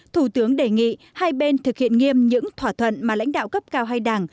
thủ tướng đề nghị hai bên thực hiện nghiêm những thỏa thuận mà lãnh đạo cấp cao hai đảng